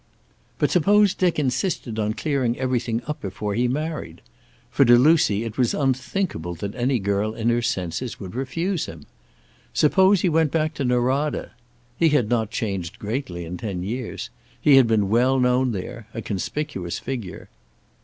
But suppose Dick insisted on clearing everything up before he married? For to Lucy it was unthinkable that any girl in her senses would refuse him. Suppose he went back to Norada? He had not changed greatly in ten years. He had been well known there, a conspicuous figure.